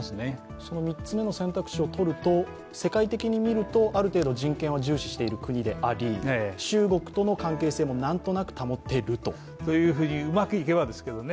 その３つ目の選択肢をとると、世界的に見ると、ある程度人権を重視している国でもあり中国との関係性もなんとなく保てると。というふうに、うまくいけばですけどね。